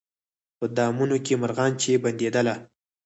په دامونو کي مرغان چي بندېدله